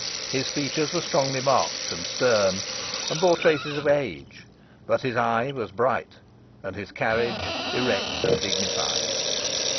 His features were strongly marked and stern, and bore traces of age; but his eye was bright, and his carriage erect and dignified.